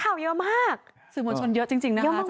เพราะว่าข่าวเยอะมากสื่อมวลชนเยอะจริงนะครับ